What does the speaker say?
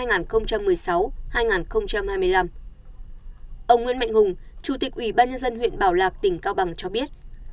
ông nguyễn mạnh hùng chủ tịch ủy ban nhân dân huyện bảo lạc tỉnh cao bằng cho biết